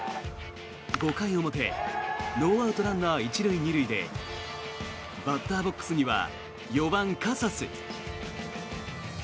５回表ノーアウト、ランナー１塁２塁でバッターボックスには４番、カサス。